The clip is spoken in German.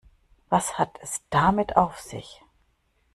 Was hat es damit auf sich?